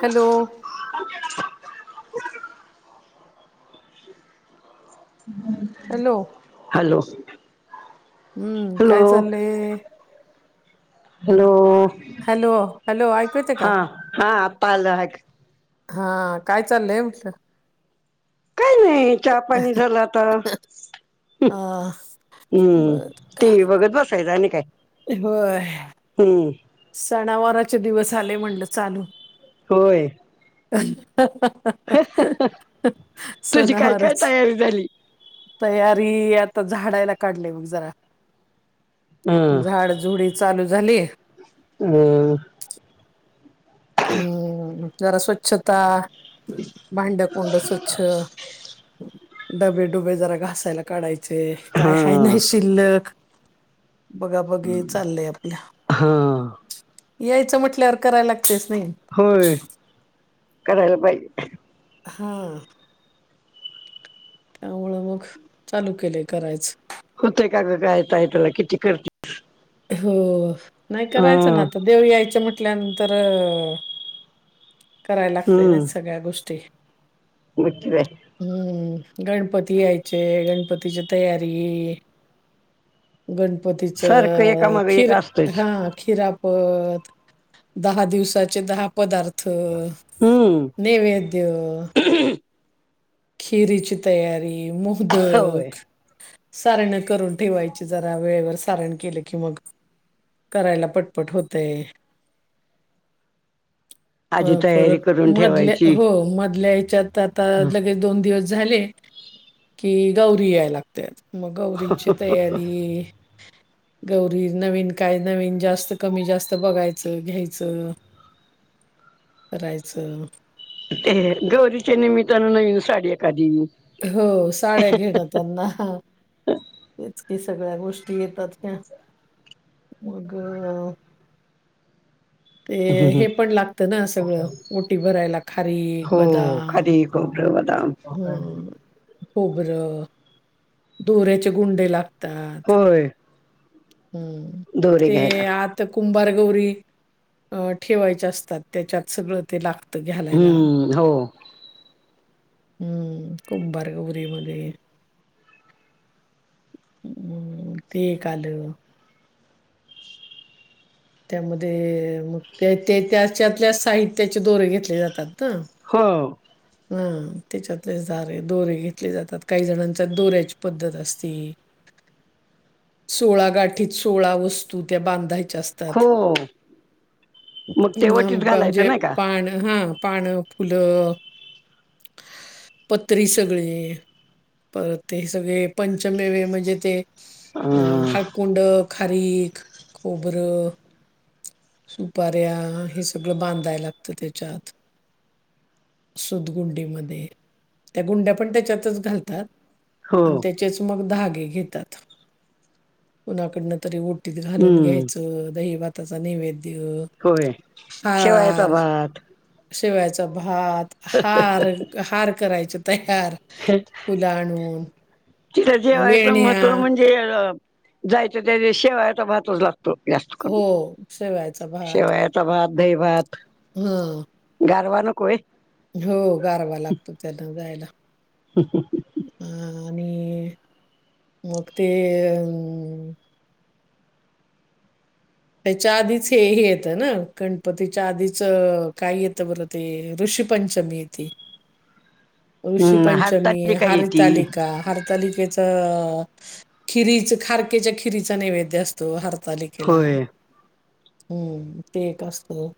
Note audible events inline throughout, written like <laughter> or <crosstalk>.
Hello hello hello हम्म hello काय चाललंय हॅलो हॅलो हॅलो ऐकू येत का हा हा आता आलं आहे हा काय चाललंय काही नाही चहा पाणी झालं आता हा हम्म बर ती काय बघत बसायचं आणि काय होय हम सणावारचे दिवस आले म्हणलं चालू होय तुझी काय काय सोनावारच तयारी झाली तयारी आता झाडायला काढली मग जरा ह झाड झुडी चालू झाली हो हम्म जरा स्वच्छता भांड कुंड स्वच्छ डबे डुबे जरा घासायला काढायचे काय ह हा नाही शिल्लक बघा बघी चाललंय आपल्या हा यायचं म्हटल्यावर करायला लागत. तेच नाही. होय. करायला पाहिजे. हा. त्यामुळं मग चालू केलेय करायचं. होतय का का कायय तला किती करते. हो नाही ह करायचं ना आता देव यायच म्हटल्यानंतर करायला लागते नाही हम्म सगळ्या गोष्टी मग काय हम्म गणपती यायचे गणपतीची तयारी गणपतीच सारखं एकामाग एक खीर असतच हा खीरा प दहा दिवसाचे दहा पदार्थ हमं नैवेद्य. खिरीची तयारी होय मोदक, सारण करून ठेवायची जरा वेळेवर सारण केलं की मग, करायला पटपट होते. ह आधी तयारी परत करून मधल्या ठेवायची हो मधल्या याच्यात तर आता लगेच दोन दिवस झाले कि गौरी यायलाग त्यात मग गौरींची तयारी गौरी नवीन काय नवीन जास्त कमी जास्त बघायचं घ्यायचं. ह करायचं. ते गौरीच्या निमित्तानं नवीन साडी एखादी हो साड्या घेणं त्यांना तेच कि सगळ्या गोष्टी येतात ह्या मग ते हे ह् पण लागतं ना सगळं, ओटी भरायला खारीक, हो बदाम खारीक, खोबरं, बदाम होका. हं, खोबरं, दोऱ्याचे गुंडे लागतात. होय हम्म दोरे ते घ्यायला आ तर कुंभारगौरी ठेवायच्या असतात त्याच्यात सगळं ते लागतात. हम्म हो हम्म कुंभारगौरी मध्ये हम्म ते काल त्यामध्ये मग त्या ते त्याच्यातल्या साहित्याचे दोरे घेतले जातात ना, हो. ह त्याच्यातले दारे दोरे घेतले जातात काही जणांच्या दोऱ्याची पद्धत असती. सोळा गाठीत सोळा वस्तू त्या बांधायच्या असत. हो मग ते वटीत घालायचं म्हणजे नाही का पाण हा पाणं, फुलं, पत्री सगळे. परत ते सगळे पंचमेवे म्हणजे ते अ अं, हाळकुंड खारीख, खोबरं सुपऱ्या हे सगळं बांधाय लागतं त्याच्यात ुं म त्या गुंड्या पण त्याच्यात घालतात हो तेच मग घे घेतात कुणाकडन तरी घालून हम्म घ्यायचं दही भाताचा नैवेद्य होय ह शेवायाचा भात शिवायचा भात हार हार करायच तयार फुलं आणून तिथं जेवायचं वेण्या महत्त्व म्हणजे जायचं त्या दिव शेवायाचा भातच लागतो जास्त हो करून शेवयाचा भात. शेवायाचा भात दही भात हं गारवान कोय हो गारवा लागतो त्यांना जायला ह अ आणि मग ते अ त्याच्या आधीच हे हे येतं ना गणपतीच्या आधीच काय येतं बर ते ऋषीपंचमीतील ह ऋषी पंचमी, हारतालिका हर तालिकेचा खिरीच खारकेच्या खिरीचा नैवेद्य असतो हरतालिक ला होय हम्म ते असतो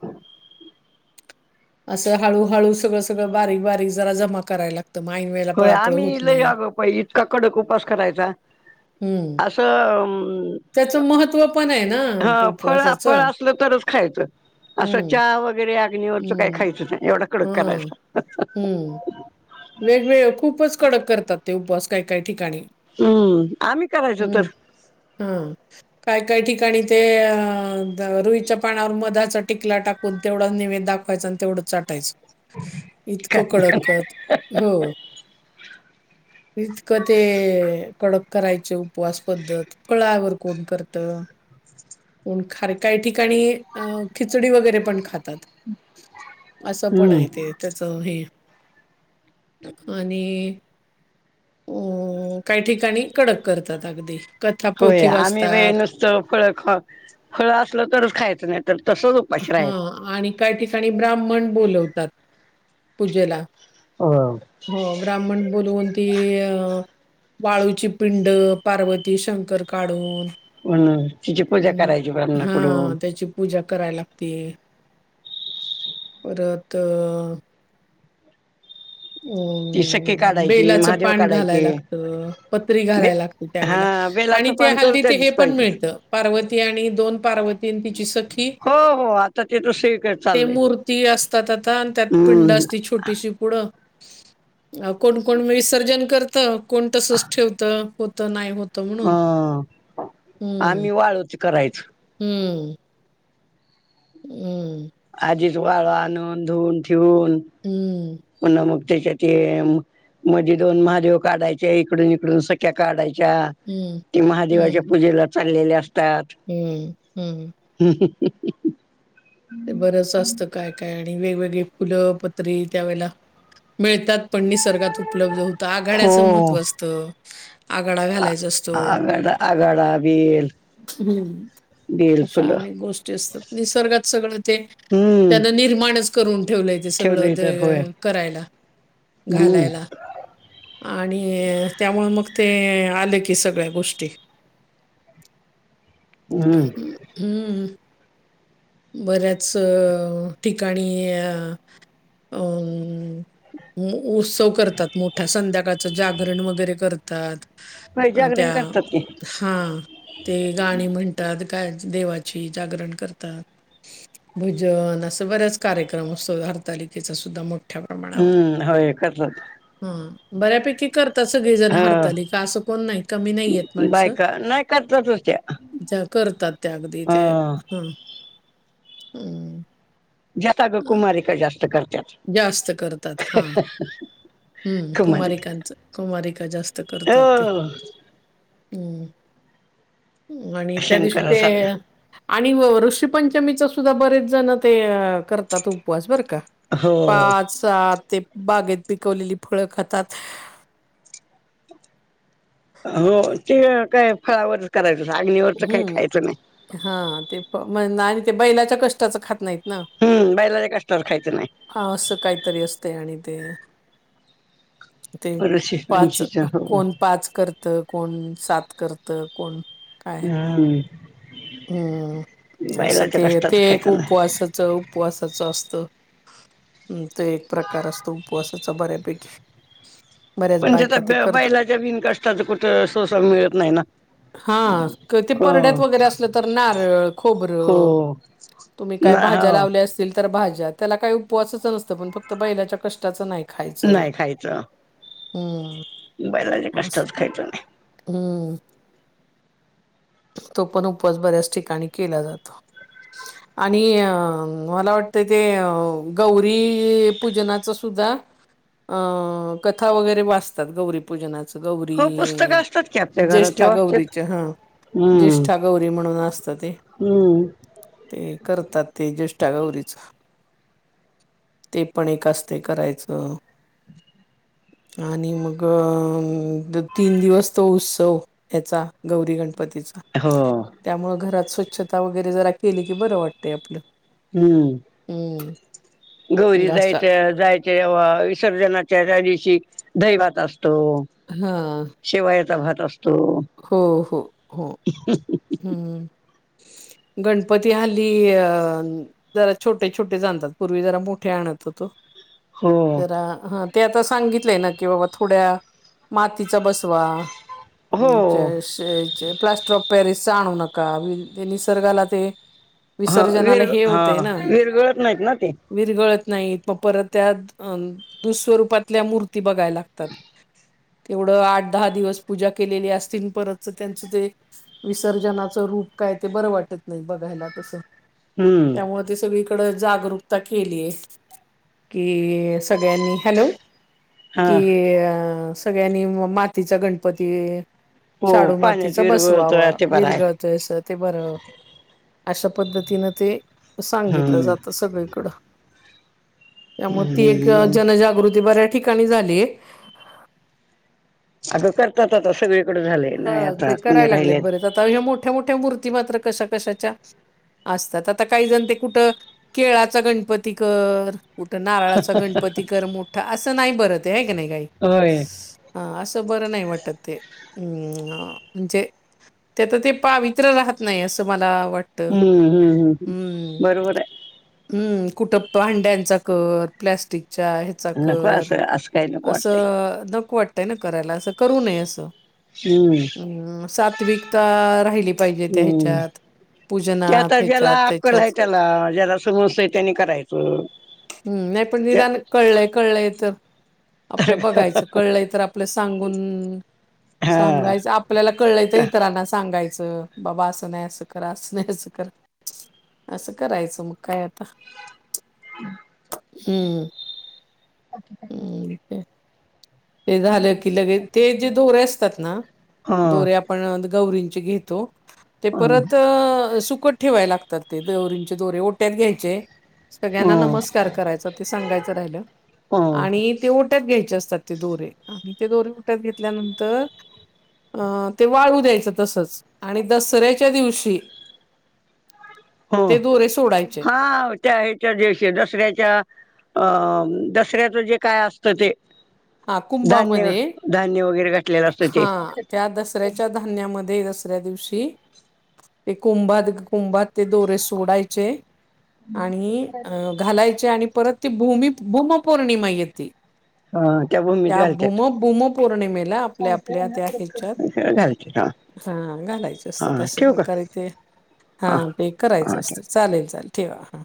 असं हळूहळू सगळं सगळं बारीक बारीक जरा जमा करायला ला तर म माहिन व होय आम्ही लय अगो प इतका कडक उपास करायचा हं, अस त्याचं महत्त्व पण आहे ना तर प- हा फळ फळ उपवासाचं. असलं तरच खायचं असं हं. चहा वगैरे अग्नीवरच काही हम्म खायचं नाही एवढा कडक हा करायचा हम्म वेगवेगळ खूपच कडक करतात ते उपस काही काही ठिकाणी हम्म आम्ही करायचो तर हम्म हा काय काय ठिकाणी ते अ रुईच्या पानावर मधाचा टिकला टाक पण तेवढा नेहमी दाखवायच आणि तेवढं चाटायचं काय इतकं कडकत हो इतकं ते कडक करायचं उपवास पद्धत पळावर कोण करतं प ख काही ठिकाणी अ खिचडी वगैरे पण खातात असं पण आहे हम्म ते त्याच हे आणि अ काही ठिकाणी कडक करतात अगदी कथा होय पोथी आम्ही बाई वाचतात. नुसतं फळं खा फळ असलं तरच खायचं नाही तर तसंच उपाशी हा राहायचं. आणि काही ठिकाणी ब्राह्मण बोलवतात पूजेला ह हो ब्राह्मण बोलवून ती अ वाळूची पिंड पार्वती शंकर काढून म्हण तिची पूजा अं, करायची पनाकडून हां, त्याची पूजा कराय लागतेय परत अ ती सखी काढायची बेलाच महादेव पान घालाय काढायचे लागत पत्री बे घालाय लागत त्यावेेळेला हा आणि बेलाचं ते पान तर हल्दी त्या ते हे दिवशी पण पाहिजे. मिळतं पार्वती आणि दोन पार्वतीन तिची सखी हो हो आता ते तर सगळीकडे ते चाललंय मूर्ती असतात आता आणि त्यात पिंड हम्म असती छोटीशी पुढं कोण कोण म विसर्जन करत कोण तसंच ठेवत होत नाही होतं म्हणून हा हम्म आम्ही वाळुचे करायचं हम्म हम्म जी वाळ आणून धुऊून ठेवून हम्म पुन्हा मग त्याच्याते मध्ये दोन महादेव काढायचे इकडून इकडून सख्या काढायच्या हम्म ते महादेवाच्या हम्म पूजेला चाललेले असतात. हम्म हम्म हम्म ते बरंच असतं काय काय आणि वेगवेगळे फुलं पत्री त्यावेेळेला मिळतात पण निसर्गात उपलब्ध होतं हो आघाड्याचं महत्त्व असतं. आघाडा आ घालायचा असतो आगाडा आगाडा बेल हम्म बेल अशा फुलं अनेक गोष्टी असतात. निसर्गात सगळं ते हम्म त्यांन निर्माणच करून ठेवलंय ते ठेवलंय तर होय सगळं करायला हम्म घालायला आणि त्यामुळे मग ते आले की सगळ्या गोष्टी हम्म हम्म बऱ्याच अ ठिकाणी अ उत्सव करतात मोठ्या संध्याकाळचं जागरण वगैरे करतात होय तात जागरण त्या करतात की हा ते गाणी म्हणतात काय देवाची जागरण करतात भजन असं बराच कार्यक्रम असतो हरतालिकेचा सुद्धा मग हम्म होय कसल हं बऱ्यापैकी करतात सगळी जण ह हरतालीका असं कोण नाही कमी नाहीयेत माणसं बायका नाही करतातच त्या ज्या करतात त्या अगदी ते अं, हम्म हम्म जास्त आग कुमारीका जास्त करत्यात जास्त करतात हा हम्म कुमारिका कुमारिकांच कुमारिका जास्त करतात ते हो हम्म आणि त्या दिवशी ते शंकरासारखं आणि ऋषीपंचमीचा सुद्धा बरेच जण ते करतात उपवास बरं का हो पाच सात ते बागेत पिकवलेली फळं खातात हो ते काय फळावरच करायचं आग्नीवरच काय खायचं नाही हा आणि ते म्हण आणि ते बैलाच्या कष्टाचं खात नाहीत ना हम्म बैलायच्या कष्टाच खायचं नाही हा असं काहीतरी असते आणि ते ते ऋषी पाच पंचीच्या हो कोण पाच करतं कोण सात करतं कोण काय हम हम्म असं ते ते कष्टाचं एक खायचं नाही उपवासाच उपवासाचं असतं हम ते एक प्रकार असतो उपवासाचा बऱ्यापैकी बऱ्याच म्हणजे बायका ते त्या करतात. बैलाच्या बिनकाष्टाच कुठं सोसार मिळतं नाही ना हा कि ते हो परड्यात वैगरे असतं नारळ, खोबर हो तुम्ही काय ना भाज्या हो लावल्या असतील तर भाज्या त्याला काही उपवासच नसतं पण फक्त बैलाच्या कष्टाचं नाही खायचं नाही हम्म बैलाचे कष्टच खायचं नाही हम्म तो पण उपास बऱ्याच ठिकाणी केला जातो. <unintelligible> आणि मला वाटतं ते गौरी पूजनाचं सुद्धा.. अ कथा वगैरे वाचतात गौरी.... पूजनाचं गौरी हो पुस्तकं असतात की आपल्या घरात ते ज्येष्ठा वाचतात. गौरीच ह... हम्म. ज्येष्ठा गौरी म्हणून असतं ते हम्म ते करतात ते ज्येष्ठा गौरीचं.. ते पण एक असते करायचं... आणि मग तीन दिवस तो उत्सव.... हचा गौरी गणपतीचा. हो..... त्यामुळ घरात स्वच्छता वगैरे जरा केली की बरं वाटतय आपलं..... हम्म. हम्म... गौरी घासा जायच जायजेव्हा विसर्जनाच्या त्या दिवशी दही भात असतो.... हा..... शेवायाचा भात असतो. हो हो हो हम्म..... गणपती हल्ली अ..... जरा छोटे छोटे आणतात पूर्वी जरा मोठे आणत होतो. हो जरा हं ते आता सांगितलंय ना कि बाबा थोड्या मातीचा बसवा... हो. प्लास्टर ऑफ पॅरिसचा आणू नका ते निसर्गाला ते... ह विसर्जनाला विर हे हा होतंय ना विरगळत नाहीत ना ते.... विरगळत नाहीत मग परत त्या अं दुःस्वरूपातल्या मूर्ती बघाय लागतात तेवढं आठ दहा दिवस पूजा.... केली असतील परत त्यांच ते विसर्जनाच रूप काय ते बरं वाटत नाही बघायला..... तस हम्म त्यामुळे ते सगळीकड जागरूकता केलीय..... कि सगळ्यांनी हॅलो.... हा. कि अ सगळ्यांनी मातीचा गणपती.... हो शाडूमातीच पाण्यात बसवाव विरघळतो ते बरं आहे विरगळतो..... ते बर अशा पद्धतीनं ते....... सांगितलं हम्म. जातं सगळीकडं... त्यामुळे ती एक हम्म जनजागृती बऱ्या ठिकाणी झाली आहे..... अगं करतात आता सगळीकडें झालेय नाही आता कुणी राहिले.... ह मोठ्या मोठ्या मूर्ती मात्र कशा कशाच्या...... असतात आता काही जण ते कुठं केळाचा गणपती कर, कुठं नारळाचा गणपती कर मोठा असं नाही बरत आहे ह की नाही काही.... होय हा असं बरं नाही वाटत ते..... हम् म्हणजे त्यात ते पावित्र राहत नाही असं मला वाट.... हम्म हम्म हम्मम् बरोबर आहे..... हम्म कुठं भांड्यांचा कर प्लस्टिकच्या.... चा नको कर असं असं काही नको वाटतंय असं नक वाटतंय ना करायला असं करू नये असं.... हम्म. हम्म सात्विकता राहिली पाहिजे त्या ह्याच्यात.... त्या पूजनात, आता ज्याला ह्याच्यात, आकल आहे त्याच्यात. त्याला ज्याला समोस आहे त्यानी करायचं. हम् नाही पण त्या- निदान कळलंय कळलंय तर... हा आपलं बघायचं कळलंय तर आपलं सांगून सांगायचं आप.... आपल्याला कळलंयचं का इतरांना सांगायचं बाबा असं नाही असं क असं नाही असं कर.... असं करायचं मग काय... हम्म हम्. ते झालं की लगेच ते जे दोरे असतात ना हं, दोऱ्या... आपण गौरींचे घेतो. ते हं, परत अ सुकत ठेवायला लागतात. ते देवरींचे दोरे ओट्यात घ्यायचे. सगळ्यांना हं, नमस्कार करायचा. ते सांगायच राहिल. हं, आणि ते ओट्यात घ्यायचे असतात. ते दोरे आणि ते दोरे ओट्यात घेतल्यानंतर अ ते वाळू द्यायच तसच. आणि दसऱ्याच्या दिवशी हो ते दोरे सोडायचे हा त्या ह्याच्या दिवशी दसऱ्याच्या. अ दसऱ्याचं जे काय असत ते. हा धान्य कुंभामध्ये धान्य वगैरे घातलेल असत ते. धान्यांमध्ये दसऱ्या दिवशी ते कुंभात कुंभात ते दोरे सोडायचे. आणि अ घालायचे आणि परत ती भूमी भूमपौर्णिमा येते. अं, भूमीत त्या भूम घालतात भूमपौर्णिमेला आपल्या आपल्या त्या ह्याच्यात हा घालायच हा असतात. अशा ठेवू का प्रकारे ते हा ते करायच हा ठेव असत. चालेल चालेल ठेवा. हा